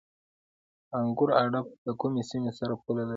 انګور اډه له کومې سیمې سره پوله لري؟